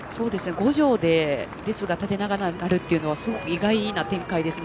五条で列が縦長になるというのはすごく意外な展開ですね。